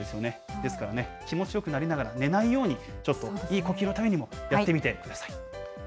ですからね、気持ちよくなりながら、寝ないように、ちょっといい呼吸のためにもやってみてください。